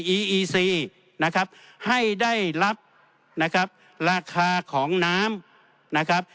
อีอีซีนะครับให้ได้รับนะครับราคาของน้ำนะครับ